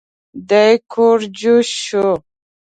دی کوږ جوش شو.